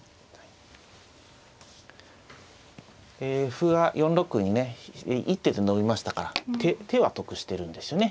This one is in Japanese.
歩が４六にね一手で伸びましたから手は得してるんですね。